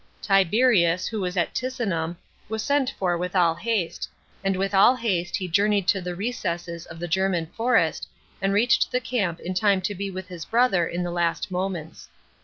Tiberius, who was at Ticinum, was sent for with all haste, and with all haste he journeyed to the recesses of the German forest, and reached the camp in time to be with his brother in the last moments.